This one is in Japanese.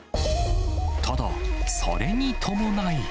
ただ、それに伴い。